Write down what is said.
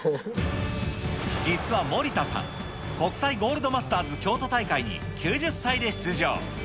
実は守田さん、国際ゴールドマスターズ京都大会に９０歳で出場。